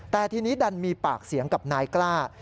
แต่ทีนี้ดันมีปากเสียงกับนายกล้า